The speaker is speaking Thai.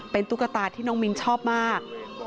เป็นตุ๊กตาที่น้องมิ้นชอบมาก